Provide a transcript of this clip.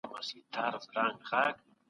کلیوالي افسانې پکې راځي.